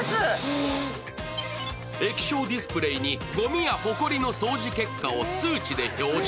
液晶ディスプレイにごみやほこりの掃除結果を数値で表示。